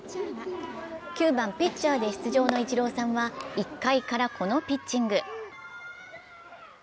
９番・ピッチャーで出場のイチローさんは１回からこのピッチング。